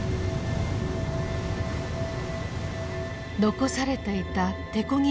残されていた手こぎ